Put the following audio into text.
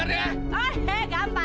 are gua kayaknya